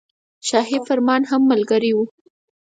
شاهي فرمان هم ملګری وو.